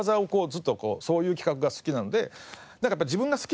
そういう企画が好きなので。